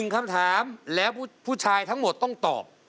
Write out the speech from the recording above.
คำถามแล้วผู้ชายทั้งหมดต้องตอบ